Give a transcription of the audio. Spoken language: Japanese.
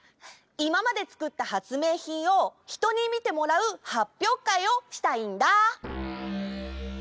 いままでつくった発明品をひとに見てもらうはっぴょうかいをしたいんだ！